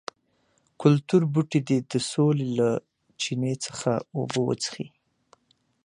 کلتور بوټي دې د سولې له چینې څخه اوبه وڅښي.